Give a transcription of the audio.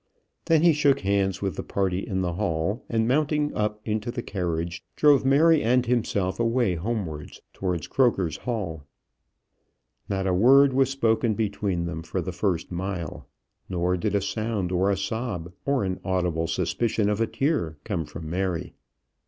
Then he shook hands with the party in the hall, and mounting up into the carriage, drove Mary and himself away homewards towards Croker's Hall. Not a word was spoken between them for the first mile, nor did a sound of a sob or an audible suspicion of a tear come from Mary.